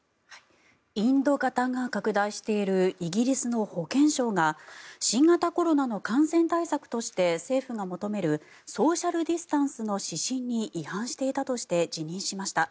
インド型が拡大しているイギリスの保健相が新型コロナの感染対策として政府が求めるソーシャル・ディスタンスの指針に違反していたとして辞任しました。